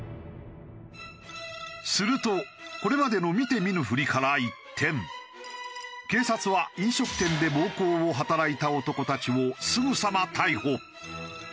するとこれまでの見て見ぬふりから一転警察は飲食店で暴行を働いた男たちをすぐさま逮捕。